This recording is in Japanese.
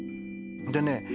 でね